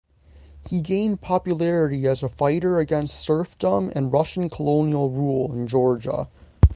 He gained popularity as a fighter against serfdom and Russian colonial rule in Georgia.